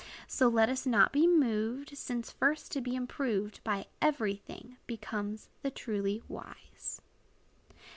So, let us not be moved, Since first to be improved By every thing, becomes the truly wise."